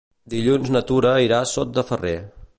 Dilluns na Tura irà a Sot de Ferrer.